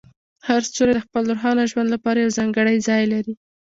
هر ستوری د خپل روښانه ژوند لپاره یو ځانګړی ځای لري.